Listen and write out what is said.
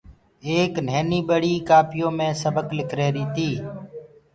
ايڪ نهيني ٻڙي ڪآپيو مي سبڪُ لک ريهريٚ تيٚ